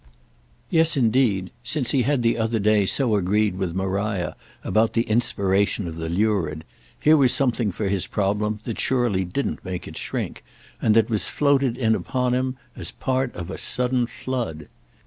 Yes indeed, since he had the other day so agreed with Maria about the inspiration of the lurid, here was something for his problem that surely didn't make it shrink and that was floated in upon him as part of a sudden flood.